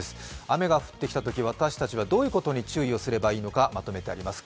雨が降ってきたとき私たちはどういうことに注意をすればいいのかまとめてあります。